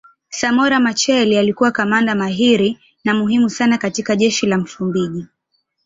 Samora Machel alikuwa kamanda mahiri na muhimu sana katika jeshi la Msumbiji